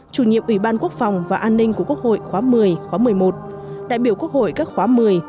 chủ nhiệm ủy ban quốc phòng và an ninh của quốc hội khóa một mươi khóa một mươi một đại biểu quốc hội các khóa một mươi